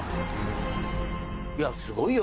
いやすごいよ。